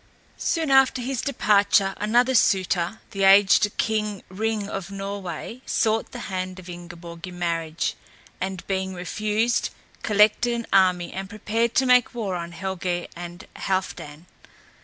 Soon after his departure another suitor, the aged King Ring of Norway sought the hand of Ingeborg in marriage, and being refused, collected an army and prepared to make war on Helgé and Halfdan.